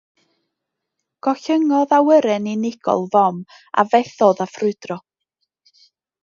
Gollyngodd awyren unigol fom, a fethodd â ffrwydro.